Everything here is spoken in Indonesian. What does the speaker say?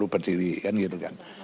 lima puluh berdiri kan gitu kan